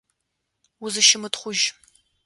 Узыщымытхъужь.